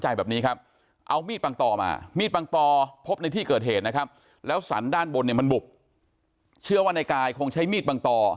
หันด้านบนเนี่ยมันบุบเชื่อว่าในกายคงใช้มีดบังตอ